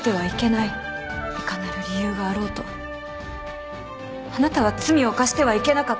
いかなる理由があろうとあなたは罪を犯してはいけなかった。